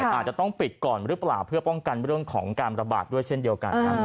อาจจะต้องปิดก่อนหรือเปล่าเพื่อป้องกันเรื่องของการระบาดด้วยเช่นเดียวกัน